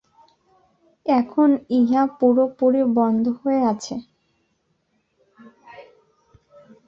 এখন ইহা পুরোপুরি বন্ধ হয়ে আছে।